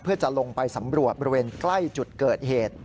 เพื่อจะลงไปสำรวจบริเวณใกล้จุดเกิดเหตุ